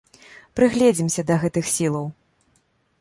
Прыгледзімся да гэтых сілаў.